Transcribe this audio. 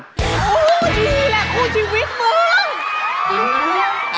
คู่ชีวิตมึง